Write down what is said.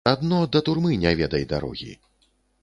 Адно да турмы не ведай дарогі.